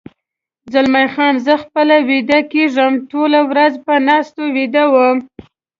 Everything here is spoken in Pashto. زلمی خان: زه خپله ویده کېږم، ټوله ورځ په ناسته ویده وم.